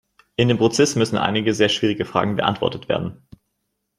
In dem Prozess müssen einige sehr schwierige Fragen beantwortet werden.